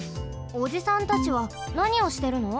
おじさんたちはなにをしてるの？